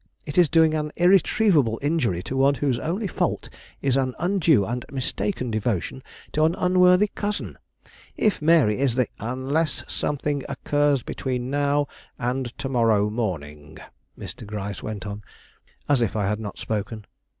It is doing an irretrievable injury to one whose only fault is an undue and mistaken devotion to an unworthy cousin. If Mary is the ." "Unless something occurs between now and to morrow morning," Mr. Gryce went on, as if I had not spoken.